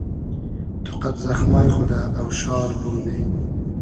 تو قئد زئخمای خو دۂ اۆشار بومنی